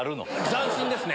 斬新ですね。